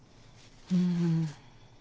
うん。